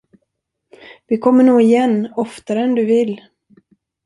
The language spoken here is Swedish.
Vi kommer nog igen, oftare än du vill!